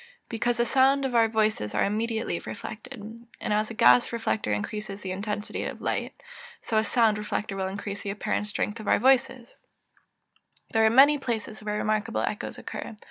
_ Because the sounds of our voices are immediately reflected. And as a gas reflector increases the intensity of light, so a sound reflector will increase the apparent strength of our voices. There are many places where remarkable echoes occur.